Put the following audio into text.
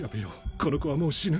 この子はもう死ぬ。